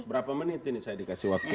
berapa menit ini saya dikasih waktu